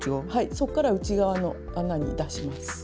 そっから内側の穴に出します。